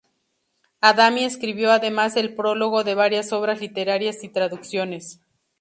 Adami escribió además el prólogo de varias obras literarias y traducciones